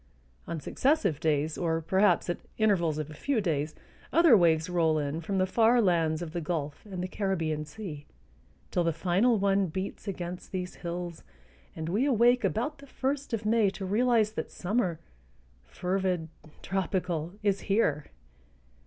On successive days or, perhaps, at intervals of a few days other waves roll in from the far lands of the Gulf and the Caribbean Sea, till the final one beats against these hills and we awake about the first of May to realize that summer, fervid, tropical, is here.